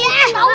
ini apa emok